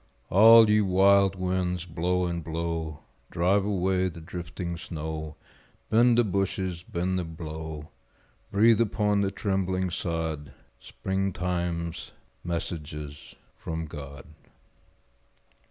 All ye wild winds, blow and blow, Drive away the drifting snow, Bend the bushes, bend them low; Breathe upon the trembling sod Springtime's messages from God.